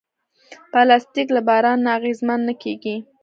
پلاستيک له باران نه اغېزمن نه کېږي.